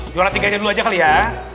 juara tiga aja dulu kali ya